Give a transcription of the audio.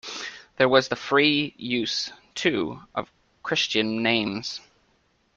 There was the free use, too, of Christian names.